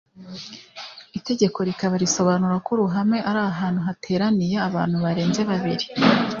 itegeko rikaba risobanura ko uruhame ari ahantu hateraniye abantu barenze babiri